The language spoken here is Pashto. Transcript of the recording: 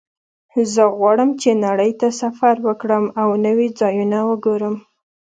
زه غواړم چې نړۍ ته سفر وکړم او نوي ځایونه وګورم